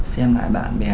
xem lại bạn bè